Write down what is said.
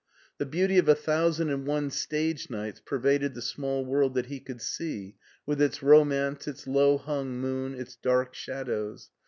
The beauty of a thousand and one stage nights pervaded the small world that he could see, with its romance, its low hung moon, its dark shadows.